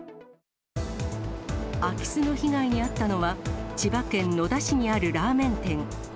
空き巣の被害に遭ったのは、千葉県野田市にあるラーメン店。